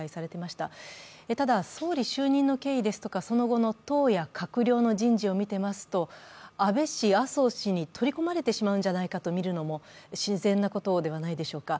ただ、総理就任の経緯やその後のと党や閣僚の人事を見ていますと、安倍氏、麻生氏に取り込まれてしまうんじゃないかと見るのも自然なことではないでしょうか。